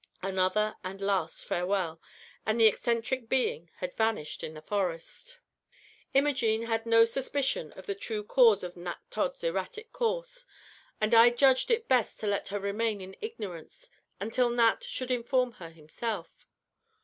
'" Another and a last farewell, and the eccentric being had vanished in the forest. Imogene had no suspicion of the true cause of Nat Todd's erratic course, and I judged it best to let her remain in ignorance until Nat should inform her himself.